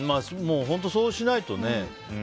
本当にそうしないとね。